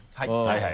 はい。